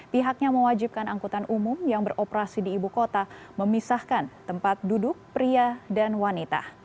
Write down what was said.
pihaknya mewajibkan angkutan umum yang beroperasi di ibu kota memisahkan tempat duduk pria dan wanita